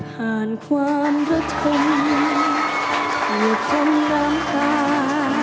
ผ่านความรักษมณ์หรือความน้ำตา